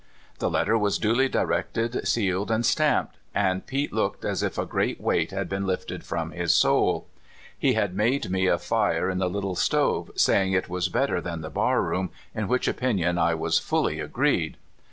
The letter was duty directed, sealed, and stamped, and Pete looked as if a great weight had been lifted from his soul. He had made me a fire in the little stove, saying it was better than the barroom, in which opinion I was fully agreed.